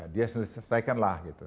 dia selesaikanlah gitu